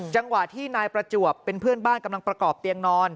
จังหวะที่นายประจวบเป็นเพื่อนบ้านกำลังประกอบเตียงนอน